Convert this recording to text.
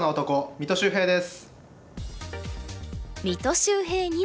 三戸秀平です。